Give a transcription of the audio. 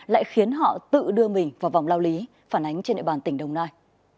lại khiến họ tự đưa mình vào vòng lao lý phản ánh trên địa bàn tỉnh đồng nai